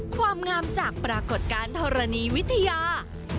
ความงามจากปรากฏการณ์ธรณีวิทยา